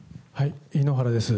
井ノ原です。